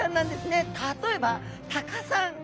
例えばタカさん